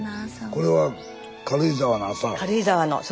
これは軽井沢の朝？